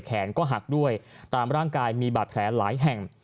แขนก็หักด้วยตามร่างกายมีบาดแผลหลายแห่ง